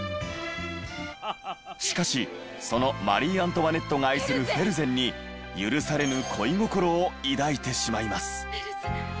しかしそのマリー・アントワネットが愛するフェルゼンに許されぬ恋心を抱いてしまいます。